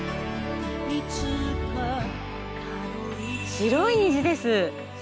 白い虹です。